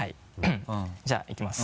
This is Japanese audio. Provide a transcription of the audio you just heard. じゃあいきます。